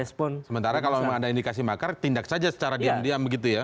sementara kalau memang ada indikasi makar tindak saja secara diam diam begitu ya